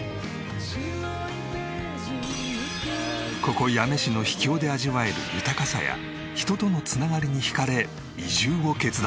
ここ八女市の秘境で味わえる豊かさや人との繋がりに引かれ移住を決断。